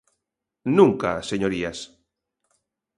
Nunca, señorías.